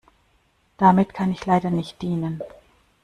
Damit kann ich leider nicht dienen.